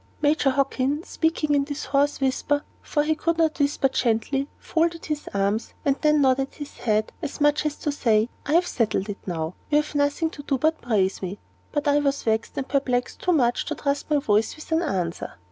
Major Hockin, speaking in this hoarse whisper for he could not whisper gently folded his arms, and then nodded his head, as much as to say, "I have settled it now. You have nothing to do but praise me." But I was vexed and perplexed too much to trust my voice with an answer.